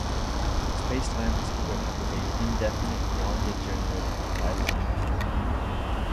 Spacetime is equipped with an indefinite non-degenerate bilinear form.